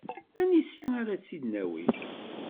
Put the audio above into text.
Anisi ara tt-id-nawi?